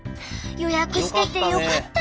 予約しててよかったね！